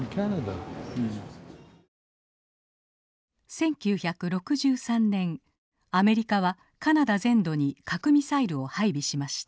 １９６３年アメリカはカナダ全土に核ミサイルを配備しました。